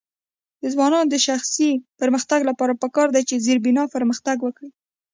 د ځوانانو د شخصي پرمختګ لپاره پکار ده چې زیربنا پرمختګ ورکړي.